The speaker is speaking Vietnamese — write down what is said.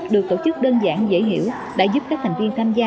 được tổ chức đơn giản dễ hiểu đã giúp các thành viên tham gia